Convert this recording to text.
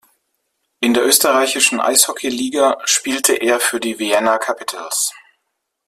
In der österreichischen Eishockeyliga spielte er für die Vienna Capitals.